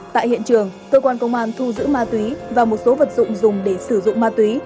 tại hiện trường cơ quan công an thu giữ ma túy và một số vật dụng dùng để sử dụng ma túy